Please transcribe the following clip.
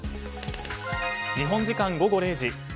日本時間午後０時。